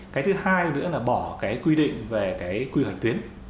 cái thứ hai nữa là bỏ quy định về quy hoạch tuyến